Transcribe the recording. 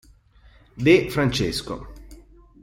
De Francesco